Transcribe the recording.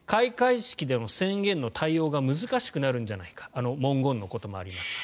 開会式での宣言の対応が難しくなるんじゃないか文言のこともあります。